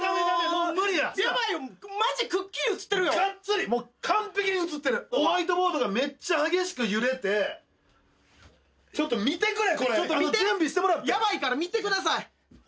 もう無理やマジくっきり写ってるよガッツリ完璧に写ってるホワイトボードがめっちゃ激しく揺れてちょっと見てくれこれ見てヤバいから見てください